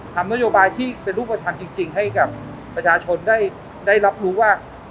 ทำนโยบายที่เป็นรูปธรรมจริงให้กับประชาชนได้รับรู้ว่า